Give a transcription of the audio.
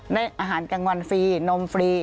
ได้อาหารกลางวันฟรีนมฟรี